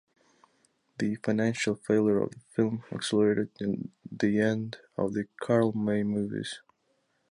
The financial failure of the film accelerated the end of the Karl May movies.